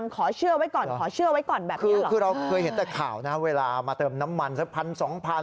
คือเราเคยเห็นแต่ข่าวนะเวลามาเติมน้ำมันสักพันสองพัน